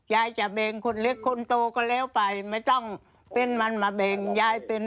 ยายจะแบ่งคนเล็กคนโตก็แล้วไปไม่ต้องเป็นมันมาแบ่งยายเป็น